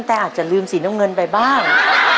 แต่อาจจะลืมสีน้ำเงินไปบ้าง